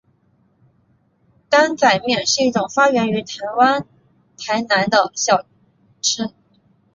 担仔面是一种发源于台湾台南的小吃。